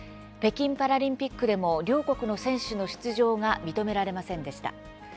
北京パラリンピックでも両国の選手の出場が認められませんでした。